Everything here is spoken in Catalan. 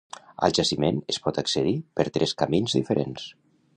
Al jaciment es pot accedir per tres camins diferents.